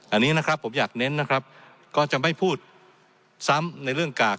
อันนี้นะครับผมอยากเน้นนะครับก็จะไม่พูดซ้ำในเรื่องกาก